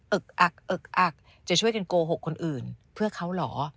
ึกอักอึกอักจะช่วยกันโกหกคนอื่นเพื่อเขาเหรอ